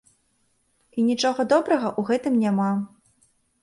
І нічога добрага ў гэтым няма.